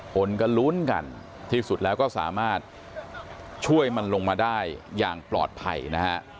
คนก็ลุ้นกันที่สุดแล้วก็สามารถช่วยมันลงมาได้อย่างปลอดภัยนะฮะ